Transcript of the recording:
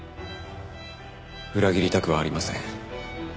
裏切りたくはありません。